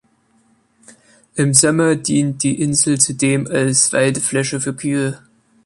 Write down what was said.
Im Sommer dient die Insel zudem als Weidefläche für Kühe.